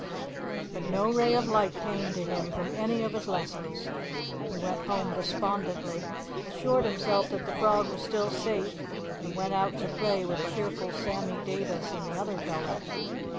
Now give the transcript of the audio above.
But no ray of light came to him from any of his lessons. He went home despondently, assured himself that the frog was still safe, and went out to play with cheerful Sammy Davis and the other fellows.